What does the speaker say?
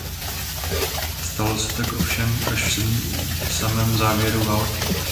Stalo se tak ovšem až v samém závěru války.